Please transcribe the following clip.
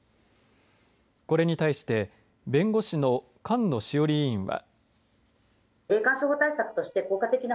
これに対して弁護士の菅野志桜里委員は。